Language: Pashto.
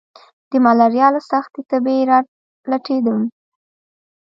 د ملاريا له سختې تبي را لټېدم.